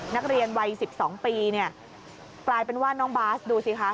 นักเรียนวัย๑๒ปีเนี่ยกลายเป็นว่าน้องบาสดูสิคะ